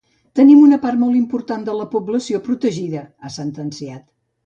“Tenim una part molt important de la població protegida”, ha sentenciat.